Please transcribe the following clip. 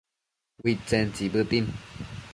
Uidtsen tsibëtin